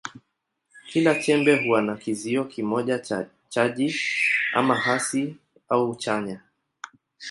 Kila chembe huwa na kizio kimoja cha chaji, ama hasi au chanya.